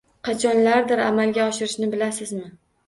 Qachonlardir amalga oshirishni bilasizmi?